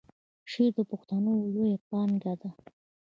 شعر د پښتو لویه پانګه ده.